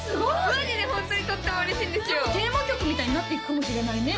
マジでホントにとても嬉しいんですよテーマ曲みたいになっていくかもしれないね